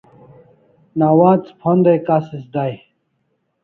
Nawats phonday kasis day